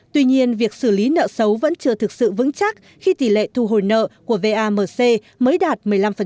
tuy nhiên việc xử lý nợ xấu vẫn chưa thực sự vững chắc khi tỷ lệ thu hồi nợ của vamc mới đạt một mươi năm